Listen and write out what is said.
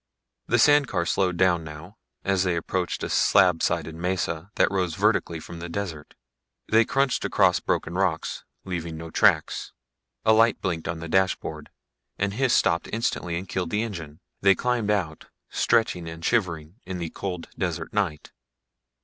The sand car slowed down now, as they approached a slab sided mesa that rose vertically from the desert. They crunched across broken rocks, leaving no tracks. A light blinked on the dashboard, and Hys stopped instantly and killed the engine. They climbed out, stretching and shivering in the cold desert night.